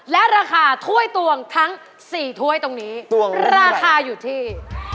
และราคาถ้วยตวงทั้ง๔ถ้วยตรงนี้ราคาอยู่ที่